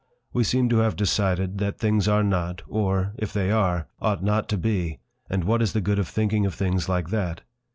We seem to have decided that things are not, or, if they are, ought not to be—and what is the good of thinking of things like that?